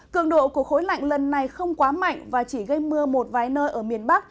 cường độ của khối lạnh lần này không quá mạnh và chỉ gây mưa một vài nơi ở miền bắc